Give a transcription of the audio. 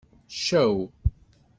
Ccaw.